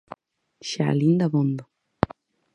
–Xa lin dabondo.